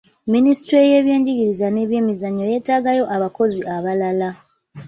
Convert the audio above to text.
Minisitule y'ebyenjigiriza n'ebyemizannyo yeetaagayo abakozi abalala.